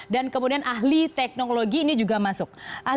dan kemudian ahli teknologi ini juga masuk